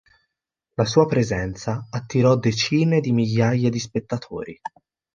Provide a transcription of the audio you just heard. La sua presenza attirò decine di migliaia di spettatori.